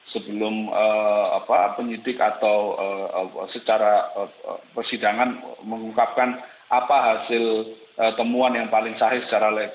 sebelum penyidik atau secara persidangan mengungkapkan apa hasil temuan yang paling sahih secara